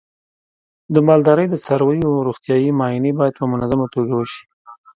د مالدارۍ د څارویو روغتیايي معاینې باید په منظمه توګه وشي.